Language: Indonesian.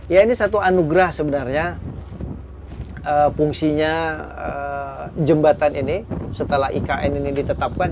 ya ini satu anugerah sebenarnya fungsinya jembatan ini setelah ikn ini ditetapkan